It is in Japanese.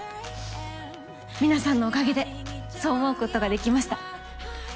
皆さんのおかげでそう思うことができました。